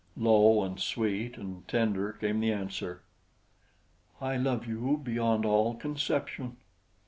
Low and sweet and tender came the answer: "I love you beyond all conception."